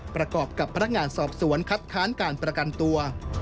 ประกอบกับพนักงานสอบสวนคัดค้านการประกันตัว